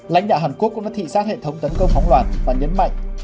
lãnh đạo hàn quốc cũng đã thị xác hệ thống tấn công phóng loạt và nhấn mạnh